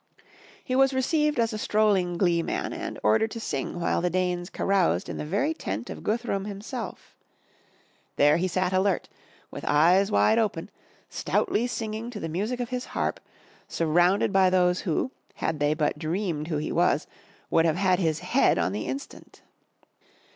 He was received as a strolling glee man and ordered to sing while the Danes caroused in the very tent of Guthrum himself. There he sat alert, with eyes wide open, stoutly singing to the music of his harp, surrounded 85 MY BOOK HOUSE by those who, had they but dreamed who he was, would have had his head on the instant.